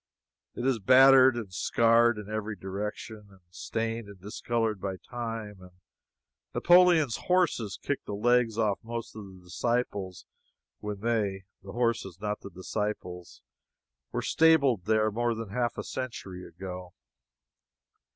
It is battered and scarred in every direction, and stained and discolored by time, and Napoleon's horses kicked the legs off most the disciples when they (the horses, not the disciples,) were stabled there more than half a century ago.